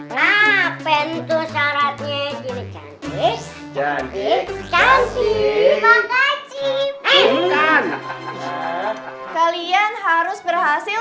ngapain tuh syaratnya gini cantik cantik cantik makasih kalian harus berhasil